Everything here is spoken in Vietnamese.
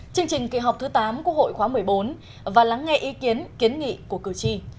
chương trình kỳ họp thứ tám quốc hội khóa một mươi bốn và lắng nghe ý kiến kiến nghị của cử tri